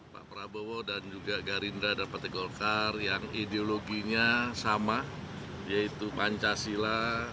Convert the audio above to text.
pak prabowo dan juga gerindra dan partai golkar yang ideologinya sama yaitu pancasila